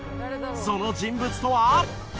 その人物とは。